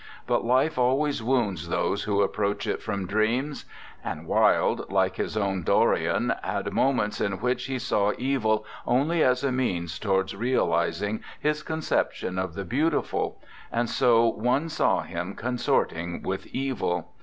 But Life always wounds those who approach it from dreams. And Wilde, like his own Dorian, had moments in which he saw evil only as a means towards realising his conception of the beautiful, and so one saw him consorting with evil.